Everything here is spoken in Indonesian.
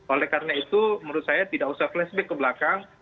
oleh karena itu menurut saya tidak usah flashback ke belakang